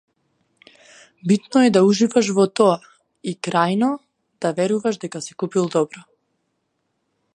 Битно е да уживаш во тоа и, крајно, да веруваш дека си купил добро.